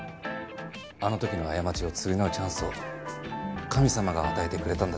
あの時の過ちを償うチャンスを神様が与えてくれたんだと。